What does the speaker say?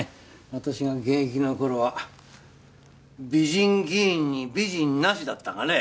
私が現役の頃は美人議員に美人なしだったがね。